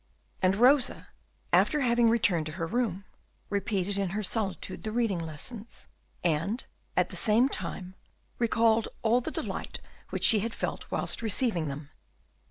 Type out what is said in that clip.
And Rosa, after having returned to her room, repeated in her solitude the reading lessons, and at the same time recalled all the delight which she had felt whilst receiving them.